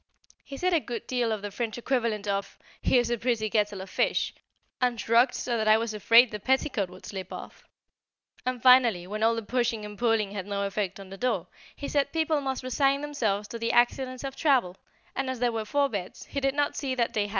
He said a good deal of the French equivalent of, "Here's a pretty kettle of fish," and shrugged so that I was afraid the petticoat would slip off; and finally, when all the pushing and pulling had no effect on the door, he said people must resign themselves to the accidents of travel, and as there were four beds, he did not see that they had too much to complain of.